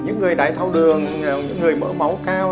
những người đái thao đường những người mỡ máu cao